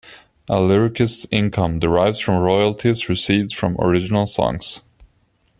A lyricist's income derives from royalties received from original songs.